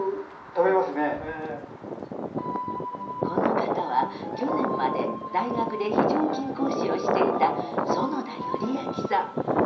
この方は去年まで大学で非常勤講師をしていた園田頼暁さん。